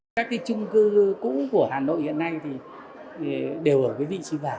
các trung cư cũ của hà nội hiện nay đều ở vị trí